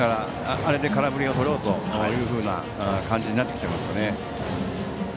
あれで空振りをとろうという感じになってきていますね。